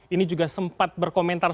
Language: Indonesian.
ini juga sempat berkomentar